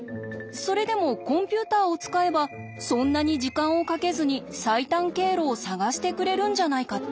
それでもコンピューターを使えばそんなに時間をかけずに最短経路を探してくれるんじゃないかって？